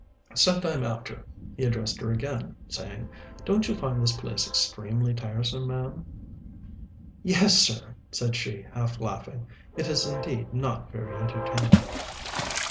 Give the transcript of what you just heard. Some time after, he addressed her again, saying, "Don't you find this place extremely tiresome, ma'am?" "Yes, sir," said she half laughing, "it is indeed not very entertaining!"